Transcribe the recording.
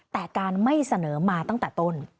แต่การไม่เสนอมาตั้งแต่ต้น